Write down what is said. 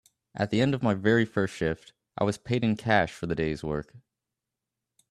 At the end of my very first shift, I was paid in cash for the day’s work.